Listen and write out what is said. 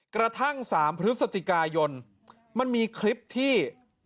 กระทั่ง๓พฤศจิกายนมันมีคลิปที่